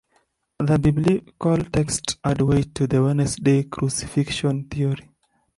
Other Biblical texts add weight to the Wednesday crucifixion theory.